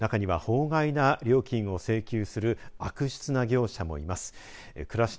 しかし中には法外な料金を請求する悪質な業者もいます。